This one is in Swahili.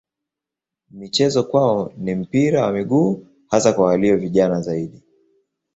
Michezo kwao ni mpira wa miguu hasa kwa walio vijana zaidi.